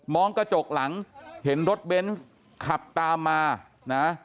กระจกหลังเห็นรถเบนส์ขับตามมานะ